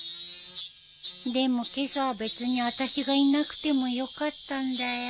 でも今朝は別にあたしがいなくてもよかったんだよ。